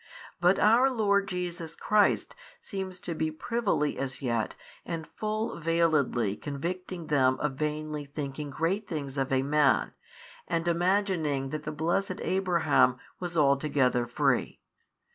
But our Lord Jesus Christ seems to be privily as yet and full veiledly convicting them of vainly thinking great things of a man and imagining that the blessed Abraham was altogether free.